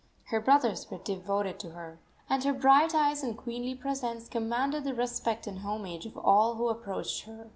Her brothers were devoted to her, and her bright eyes and queenly presence commanded the respect and homage of all who approached her.